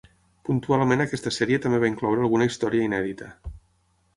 Puntualment aquesta sèrie també va incloure alguna història inèdita.